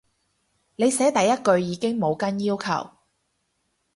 你寫第一句已經冇跟要求